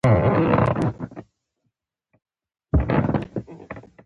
توپک کتابخانې ورانې کړي.